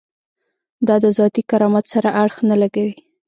دا د ذاتي کرامت سره اړخ نه لګوي.